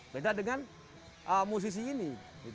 beda dengan musisi ini